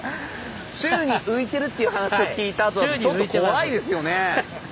宙に浮いてるっていう話を聞いたあとだとちょっと怖いですよね。